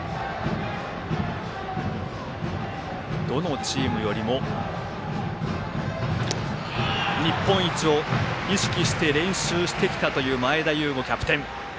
どのチームよりも日本一を意識して練習してきたという前田悠伍キャプテン。